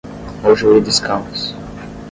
Mojuí dos Campos